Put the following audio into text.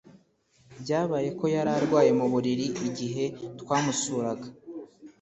Byabaye ko yari arwaye mu buriri igihe twamusuraga